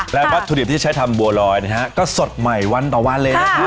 แล้วก็สุดที่จะใช้ทำบัวลอยนะครับก็สดใหม่วันต่อว่าเลยนะคะ